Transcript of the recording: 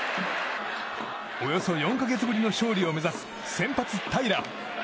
およそ４か月ぶりの勝利を目指す先発、平良。